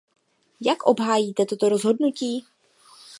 Jak obhájíte toto rozhodnutí?